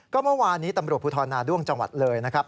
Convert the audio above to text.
ก็เมื่อวานนี้ตำรวจภูทรนาด้วงจังหวัดเลยนะครับ